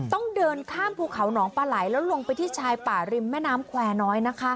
ต้องเดินข้ามภูเขาหนองปลาไหลแล้วลงไปที่ชายป่าริมแม่น้ำแควร์น้อยนะคะ